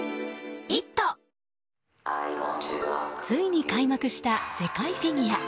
ついに開幕した世界フィギュア。